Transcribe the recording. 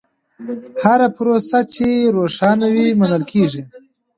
هره پروسه چې روښانه وي، منل کېږي.